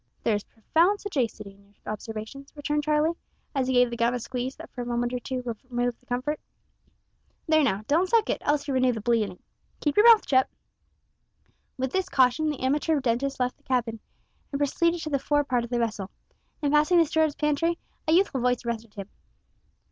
"There is profound sagacity in your observations," returned Charlie, as he gave the gum a squeeze that for a moment or two removed the comfort; "there, now, don't suck it, else you'll renew the bleeding. Keep your mouth shut." With this caution the amateur dentist left the cabin, and proceeded to the fore part of the vessel. In passing the steward's pantry a youthful voice arrested him.